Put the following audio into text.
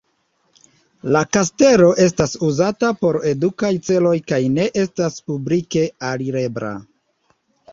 La kastelo estas uzata por edukaj celoj kaj ne estas publike alirebla.